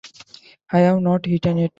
I have not eaten yet.